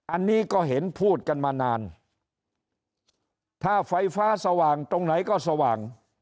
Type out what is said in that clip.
อันนี้ก็เห็นพูดกันมานานถ้าไฟฟ้าสว่างตรงไหนก็สว่าง